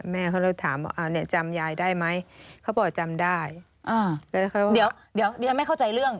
เดี๋ยวไม่เข้าใจเรื่อง